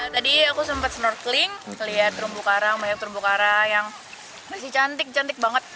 tadi aku sempat snorkeling lihat terumbu karang banyak terumbu karang yang masih cantik cantik banget